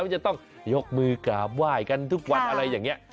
มันจะต้องยกมือกราบว่ายกันทุกวันอะไรอย่างเนี่ย